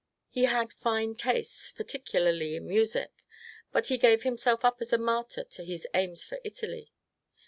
He had fine tastes, particularly in music. But he gave him self up as a martyr to his aims for Italy.